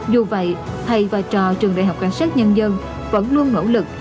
như vậy thầy vai trò trường đại học cảnh sát nhân dân vẫn luôn nỗ lực